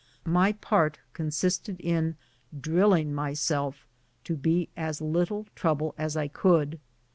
My part consisted in drilling myself to be as little trouble as I could.